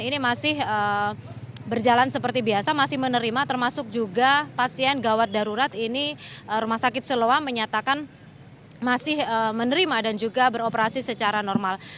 ini masih berjalan seperti biasa masih menerima termasuk juga pasien gawat darurat ini rumah sakit siloam menyatakan masih menerima dan juga beroperasi secara normal